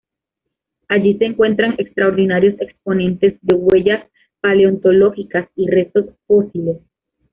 Allí se encuentran extraordinarios exponentes de huellas paleontológicas y restos fósiles.